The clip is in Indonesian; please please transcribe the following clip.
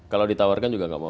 kalau ditawarkan juga nggak mau